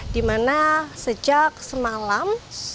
dimana sejak semalam